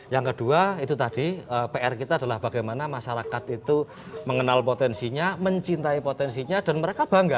yang kedua itu tadi pr kita adalah bagaimana masyarakat itu mengenal potensinya mencintai potensinya dan mereka bangga